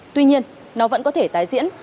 tuy nhiên nó vẫn có thể tái diễn